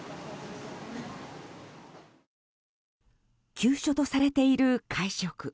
急所とされている会食。